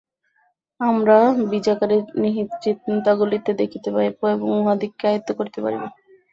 আমরা বীজাকারে নিহিত চিন্তাগুলিকে দেখিতে পাইব এবং উহাদিগকে আয়ত্ত করিতে পারিব।